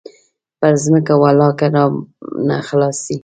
پر ځمكه ولله كه رانه خلاص سي.